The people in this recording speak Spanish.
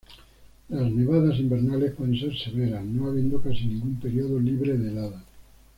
Las nevadas invernales pueden ser severas; no habiendo casi ningún período libre de heladas.